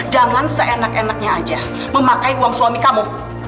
jangan seenak enaknya aja memakai uang suami kamu